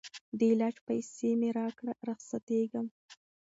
د علاج پیسې مي راکړه رخصتېږم